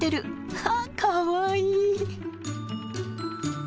ああかわいい。